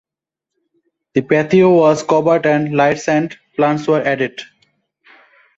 The patio was covered and lights and plants were added.